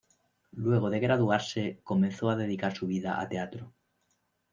Luego de graduarse, comenzó a dedicar su vida a teatro.